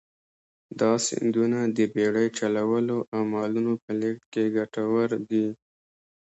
دا سیندونه د بېړۍ چلولو او مالونو په لېږد کې کټوردي.